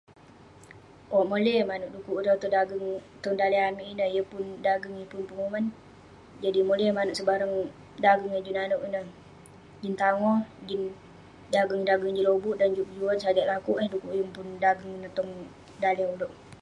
Owk, moley eh manouk dekuk ireh tong dageng- tong daleh amik ineh yeng pun dageng, yeng pun penguman. Jadi moley eh juk manouk sebarang dageng eh juk nanouk ineh. Jin tangoh, jin dageng-dageng jin lobuk dan juk kejuan sajak lakuk eh dekuk yeng pun dageng ineh tong daleh ulouk.